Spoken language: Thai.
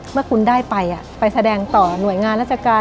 เมื่อคุณได้ไปไปแสดงต่อหน่วยงานราชการ